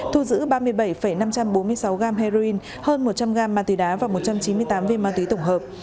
thu giữ ba mươi bảy năm trăm bốn mươi sáu g heroin hơn một trăm linh gram ma túy đá và một trăm chín mươi tám viên ma túy tổng hợp